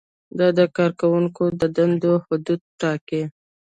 دا د کارکوونکو د دندو حدود ټاکي.